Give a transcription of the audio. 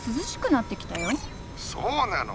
そうなの。